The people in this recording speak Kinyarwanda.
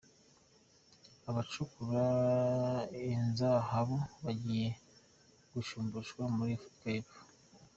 Abacukura inzahabu bagiye gushumbushwa muri Afrika yepfo.